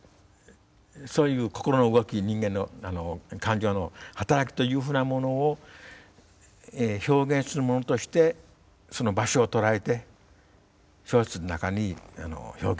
そういう心の動き人間の感情の働きというふうなものを表現するものとしてその場所を捉えて小説の中に表現したい。